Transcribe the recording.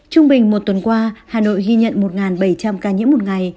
trung bình một tuần qua hà nội ghi nhận một bảy trăm linh ca nhiễm một ngày